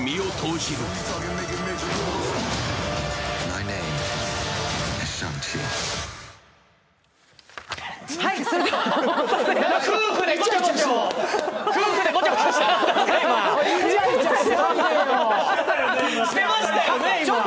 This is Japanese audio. してましたよね、今。